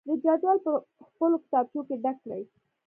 د جدول په خپلو کتابچو کې ډک کړئ.